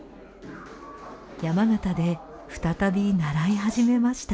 山形で再び習い始めました。